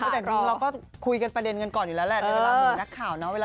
แต่เราก็คุยกันประเด็นกันก่อนเลยโอเค